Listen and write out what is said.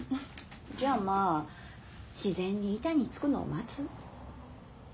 じゃまあ自然に板につくのを待つ？